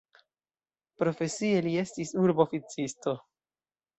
Profesie li estis urba oficisto.